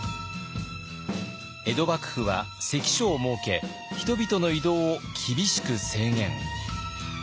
江戸幕府は関所を設け人々の移動を厳しく制限。